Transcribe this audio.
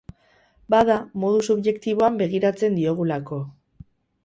Bada, modu subjektiboan begiratzen diogulako.